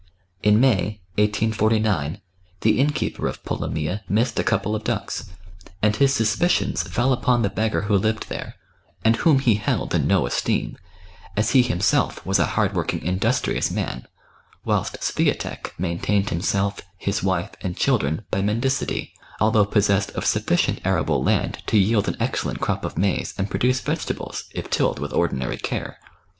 In May, 1849, the innkeeper of Polomyja missed a couple of ducks, and his suspicions fell upon the beggar who lived there, and whom he held in no esteem, as he himself was a hard working industrious man, whilst Swiatek maintained himself, his wife, and children by mendicity, although possessed of sufficient arable land A GALlCLAJf WERE WOLF. 247 to yield an excellent crop of maize, and produce vege tables, if tilled with ordinary care.